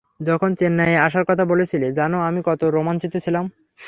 যখন চেন্নাইয়ে আসার কথা বলেছিলে জানো আমি কতো রোমাঞ্চিত ছিলাম?